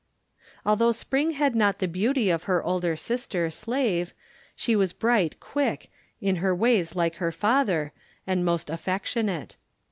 Although Spring had not the beauty of her older sister, Slave, she was bright, quick, in her ways like her father, and most affectionate.